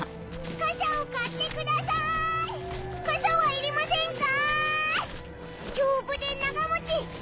かさは要りませんか？